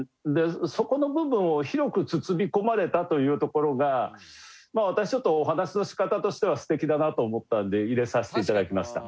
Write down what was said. そこの部分を広く包み込まれたというところが私ちょっとお話の仕方としては素敵だなと思ったので入れさせて頂きました。